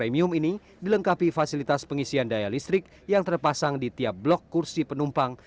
premium ini dilengkapi fasilitas pengisian daya listrik yang terpasang di tiap blok kursi penumpang